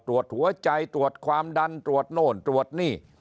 ตรวจหัวใจตรวจความดันตรวจโน่นตรวจนี่